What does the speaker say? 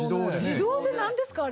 自動でなんですか？